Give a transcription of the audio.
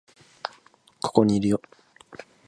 ここにいるよ